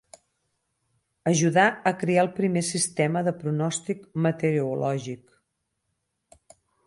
Ajudà a crear el primer sistema de pronòstic meteorològic.